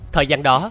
thời gian đó